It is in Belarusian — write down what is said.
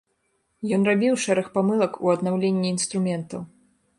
Ён рабіў шэраг памылак у аднаўленні інструментаў.